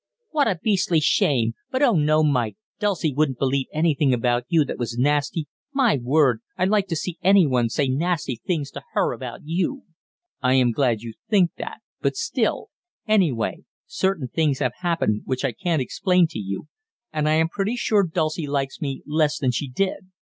"What a beastly shame! But, oh no, Mike, Dulcie wouldn't believe anything about you that was nasty my word, I'd like to see anyone say nasty things to her about you!" "I am glad you think that, but still anyway, certain things have happened which I can't explain to you, and I am pretty sure Dulcie likes me less than she did.